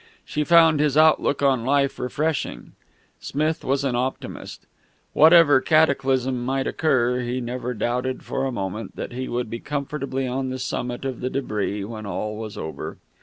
She found his outlook on life refreshing. Smith was an optimist. Whatever cataclysm might occur, he never doubted for a moment that he would be comfortably on the summit of the debris when all was over.